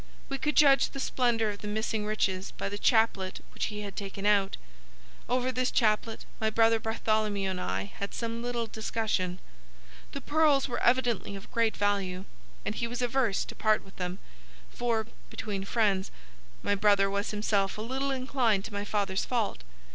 We could judge the splendour of the missing riches by the chaplet which he had taken out. Over this chaplet my brother Bartholomew and I had some little discussion. The pearls were evidently of great value, and he was averse to part with them, for, between friends, my brother was himself a little inclined to my father's fault.